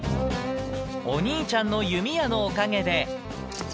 お兄ちゃんの弓矢のおかげで。